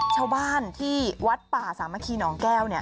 ชาวบ้านที่วัดป่าสามัคคีหนองแก้ว